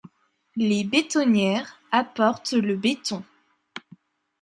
les bétonnières apportent le béton